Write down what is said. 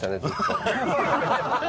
ハハハハ！